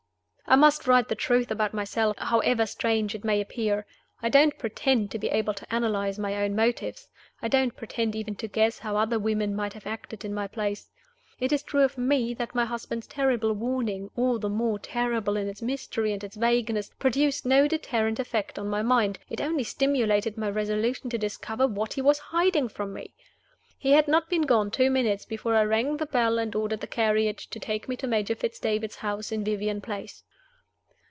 I must write the truth about myself, however strange it may appear. I don't pretend to be able to analyze my own motives; I don't pretend even to guess how other women might have acted in my place. It is true of me, that my husband's terrible warning all the more terrible in its mystery and its vagueness produced no deterrent effect on my mind: it only stimulated my resolution to discover what he was hiding from me. He had not been gone two minutes before I rang the bell and ordered the carriage, to take me to Major Fitz David's house in Vivian Place.